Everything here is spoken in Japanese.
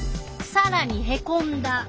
さらにへこんだ。